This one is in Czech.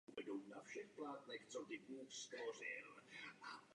Je třeba zlepšit koordinaci těchto fondů.